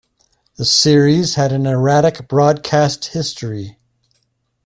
The series had an erratic broadcast history.